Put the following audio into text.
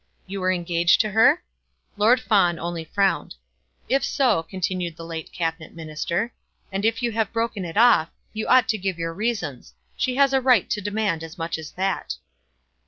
You were engaged to her?" Lord Fawn only frowned. "If so," continued the late cabinet minister, "and if you have broken it off, you ought to give your reasons. She has a right to demand as much as that."